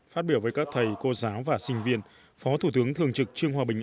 phát biểu với các thầy cô giáo và sinh viên phó thủ tướng thường trực trương hòa bình